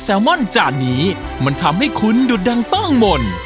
ป้าลมอล์จาห์นนี้มันทำให้คุณดื่ดดั่งต้องหมด